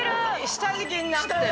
下敷きになってる。